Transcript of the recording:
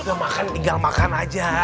udah makan tinggal makan aja